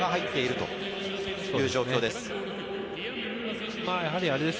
という状況です。